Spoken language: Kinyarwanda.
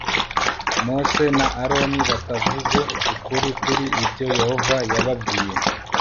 Mose na Aroni batavuze ukuri kuri ibyo Yehova yababwiye